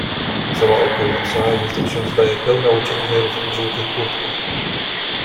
"Cała okolica, jest jak się zdaje, pełna uciekinierów w żółtych kurtkach."